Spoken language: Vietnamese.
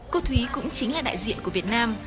cô thúy cũng chính là đại diện của việt nam